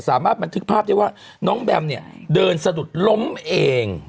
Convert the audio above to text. สามารถมันถือภาพจากน้องแบมะเดินสะดุดล้มเอง